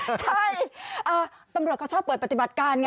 ใช่ตำรวจเขาชอบเปิดปฏิบัติการไง